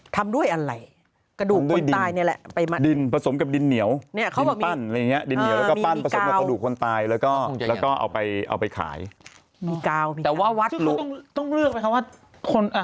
ทุบปูนออกก่อนนะแล้วก็รวมไปเอากรูดแล้วนะ